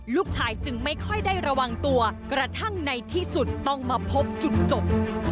ลูกชายจึงไม่ค่อยได้ระวังตัวกระทั่งในที่สุดต้องมาพบจุดจบ